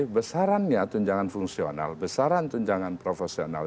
besarannya tunjangan fungsional besaran tunjangan profesional